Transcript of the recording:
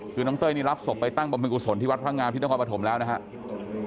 คือน้องเต้ยนี่รับศพไปตั้งบำเพ็งกุศลที่วัดพระงามที่นครปฐมแล้วนะครับ